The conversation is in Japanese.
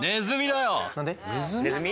ネズミ？